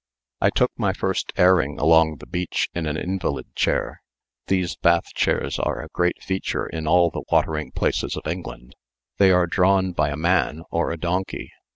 I took my first airing along the beach in an invalid chair. These bath chairs are a great feature in all the watering places of England. They are drawn by a man or a donkey.